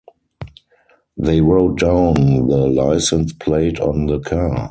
They wrote down the license plate on the car.